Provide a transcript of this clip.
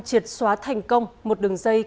triệt xóa thành công một đường dây